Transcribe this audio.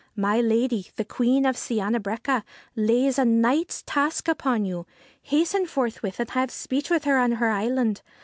My lady, the Queen of Sciana Breaca, lays a knight's task upon you. Hasten forthwith, and have speech with her on her island.